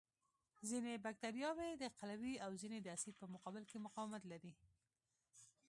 ځینې بکټریاوې د قلوي او ځینې د اسید په مقابل کې مقاومت لري.